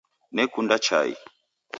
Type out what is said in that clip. Nekunda chai